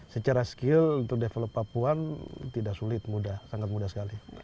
secara skill untuk develop papuan tidak sulit mudah sangat mudah sekali